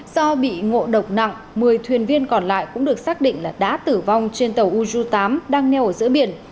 do bị ngộ độc nặng một mươi thuyền viên còn lại cũng được xác định là đã tử vong trên tàu uzu tám đang neo ở giữa biển